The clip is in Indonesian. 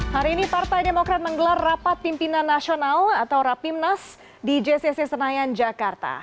hari ini partai demokrat menggelar rapat pimpinan nasional atau rapimnas di jcc senayan jakarta